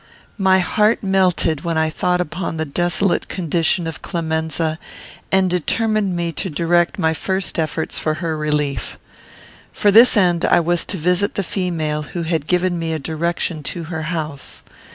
My heart melted when I thought upon the desolate condition of Clemenza, and determined me to direct my first efforts for her relief. For this end I was to visit the female who had given me a direction to her house.